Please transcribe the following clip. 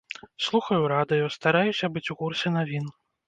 Слухаю радыё, стараюся быць у курсе навін.